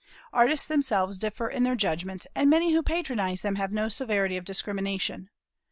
Artists themselves differ in their judgments, and many who patronize them have no severity of discrimination.